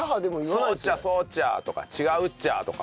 「そうっちゃそうっちゃ」とか「違うっちゃ」とか。